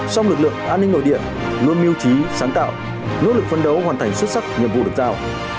song lực lượng an ninh nội địa luôn miêu trí sáng tạo nỗ lực phân đấu hoàn thành xuất sắc nhiệm vụ được giao